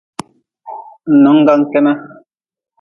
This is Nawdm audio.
Ngnonggan kena.